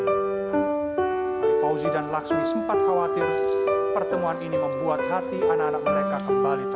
fauzi dan laksmi sempat khawatir pertemuan ini membuat hati anak anak mereka kembali